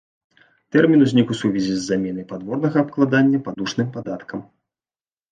Тэрмін узнік у сувязі з заменай падворнага абкладання падушным падаткам.